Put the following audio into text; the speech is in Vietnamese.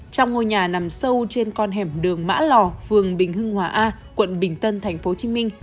trong ngôi nhà nằm sâu trên con hẻm đường mã lò phường bình hưng hòa a quận bình tân tp hcm